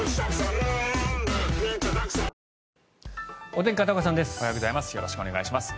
おはようございます。